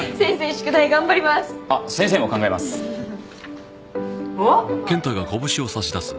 宿題頑張りますあっ先生も考えますおっ？